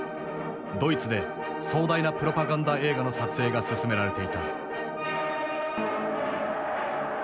ドイツで壮大なプロパガンダ映画の撮影が進められていた。